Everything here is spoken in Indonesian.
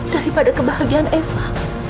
daripada kebahagiaan eva